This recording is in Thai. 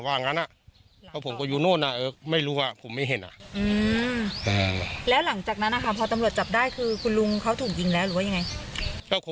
แล้วหลังจากนั้นพอตำรวจจับได้คุณลุงเขาถูกยิงแล้วหรือว่าอย่างไร